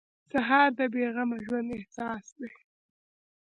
سهار د بې غمه ژوند احساس دی.